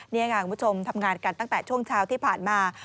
นี่ค่ะคุณผู้ชมทำงานกันตั้งแต่ช่วงเช้าที่ผ่านมา